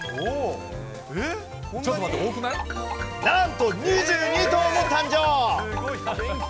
なんと２２頭も誕生。